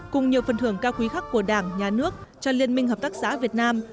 cùng nhiều phần thưởng cao quý khác của đảng nhà nước cho liên minh hợp tác xã việt nam